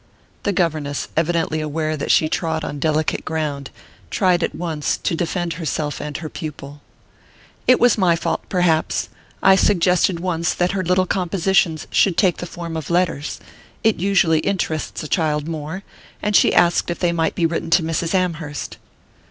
The governess, evidently aware that she trod on delicate ground, tried at once to defend herself and her pupil. "It was my fault, perhaps. I suggested once that her little compositions should take the form of letters it usually interests a child more and she asked if they might be written to Mrs. Amherst."